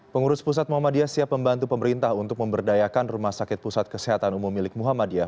pengurus pusat muhammadiyah siap membantu pemerintah untuk memberdayakan rumah sakit pusat kesehatan umum milik muhammadiyah